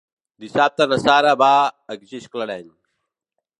Dissabte na Sara va a Gisclareny.